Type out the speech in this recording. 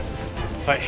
はい。